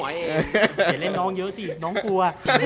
อย่าเล่นน้องเยอะสิน้องกลัว